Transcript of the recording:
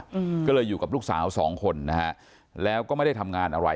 อืมก็เลยอยู่กับลูกสาวสองคนนะฮะแล้วก็ไม่ได้ทำงานอะไร